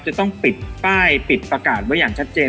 จะต้องปิดป้ายปิดประกาศไว้อย่างชัดเจน